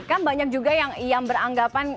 kan banyak juga yang beranggapan